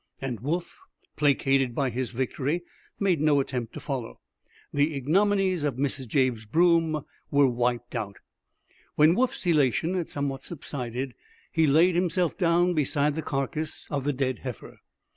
And Woof, placated by his victory, made no attempt to follow. The ignominies of Mrs. Jabe's broom were wiped out. When Woof's elation had somewhat subsided, he laid himself down beside the carcass of the dead heifer.